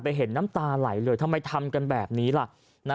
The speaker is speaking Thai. เห็นน้ำตาไหลเลยทำไมทำกันแบบนี้ล่ะ